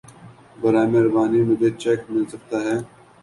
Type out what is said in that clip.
براہ مہربانی مجهے چیک مل سکتا ہے